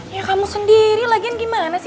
ya kamu sendiri lagian gimana sih